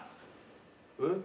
えっ？